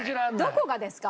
どこがですか？